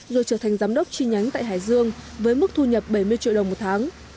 rồi trở thành giám đốc chi nhánh tại hải dương với mức thu nhập bảy mươi triệu đồng một tháng